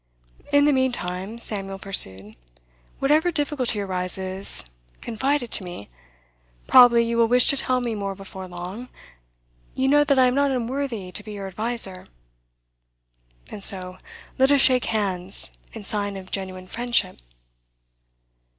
'In the meantime,' Samuel pursued, 'whatever difficulty arises, confide it to me. Probably you will wish to tell me more before long; you know that I am not unworthy to be your adviser. And so let us shake hands, in sign of genuine friendship.